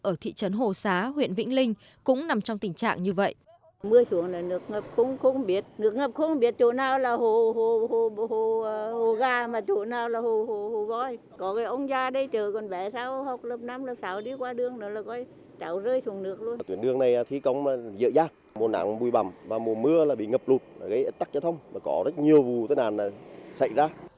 ở thị trấn hồ xá huyện vĩnh linh cũng nằm trong tình trạng như vậy